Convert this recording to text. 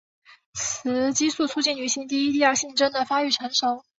雌激素促进女性第一第二性征的发育成熟。